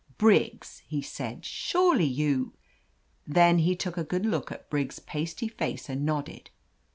"Briggs !" he said. "Surely you—" Then he took a good look at Briggs' pasty face and nodded.